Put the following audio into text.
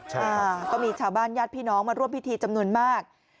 ใช่ค่ะก็มีชาวบ้านญาติพี่น้องมาร่วมพิธีจำนวนมาก